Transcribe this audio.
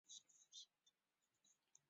看了看时间